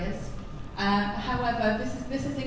อันนี้พูดไม่ได้